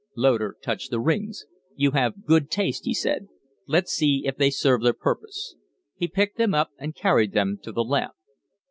Loder touched the rings. "You have good taste," he said. "Let's see if they serve their purpose?" He picked them up and carried them to the lamp.